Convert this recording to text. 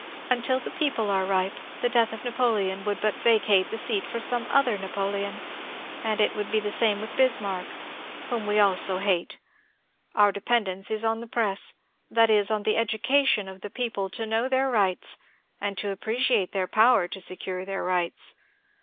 Until the people are ripe, the death of Napoleon would but vacate the seat for some other Napoleon, and it would be the same with Bismarck, whom we also hate. Our dependence is on the press ; that is, on the education of the people to know their rights and to appreciate their power to secure their rights.